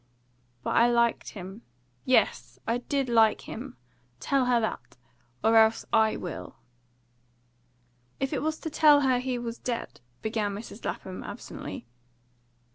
But I liked him. Yes I did like him! Tell her that! Or else I will." "If it was to tell her he was dead," began Mrs. Lapham absently.